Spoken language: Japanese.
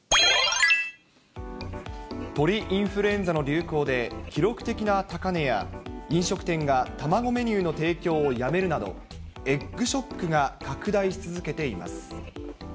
鳥インフルエンザの流行で、記録的な高値や飲食店が卵メニューの提供をやめるなど、エッグショックが拡大し続けています。